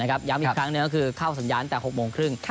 ย้ำอีกครั้งหนึ่งก็คือเข้าสัญญาณตั้งแต่๖โมงครึ่ง